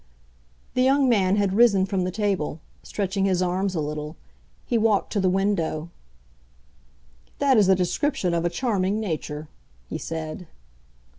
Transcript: '" The young man had risen from the table, stretching his arms a little; he walked to the window. "That is a description of a charming nature," he said.